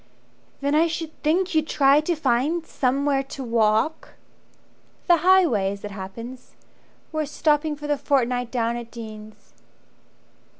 "Then I should think you'd try to find Somewhere to walk " "The highway as it happens We're stopping for the fortnight down at Dean's."